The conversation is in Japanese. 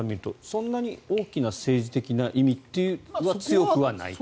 そんなに大きな政治的な意味というのは強くないと。